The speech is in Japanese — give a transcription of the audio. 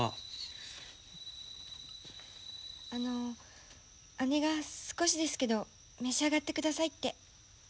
あの姉が少しですけど召し上がって下さいって。